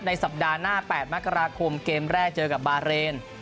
สัปดาห์หน้า๘มกราคมเกมแรกเจอกับบาเรน